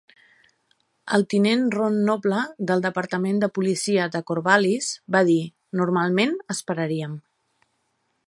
El tinent Ron Noble, del departament de policia de Corvallis, va dir: "Normalment, esperaríem.